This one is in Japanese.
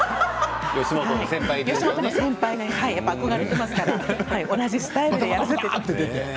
吉本の先輩で憧れていますから同じスタイルで。